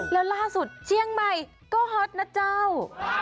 แล้วล่าสุดเชียงใหม่ก็ฮอตนะเจ้า